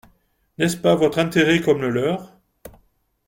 N’est-ce pas votre intérêt comme le leur ?